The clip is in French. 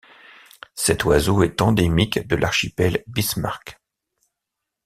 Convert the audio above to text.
Cet oiseau est endémique de l'archipel Bismarck.